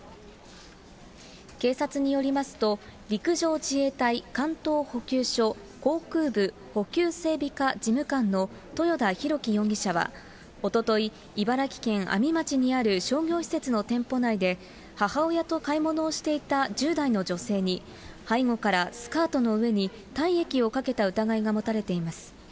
警察によりますと、陸上自衛隊関東補給処航空部補給整備課事務官の豊田ひろき容疑者は、おととい、茨城県阿見町にある商業施設の店舗内で、母親と買い物をしていた１０代の女性に、背後からスカートの上に体液をかけた疑いが持たれています。